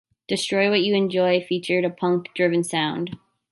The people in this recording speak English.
"Destroy What You Enjoy" featured a punk-driven sound.